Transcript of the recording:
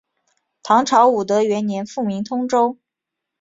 唐朝武德元年复名通州。